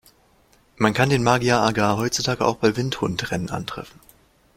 Man kann den Magyar Agar heutzutage auch bei Windhundrennen antreffen.